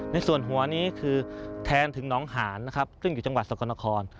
ในส่วนหัวนี้คือแทนถึงน้องหานนะครับซึ่งอยู่จังหวัดสกลนคร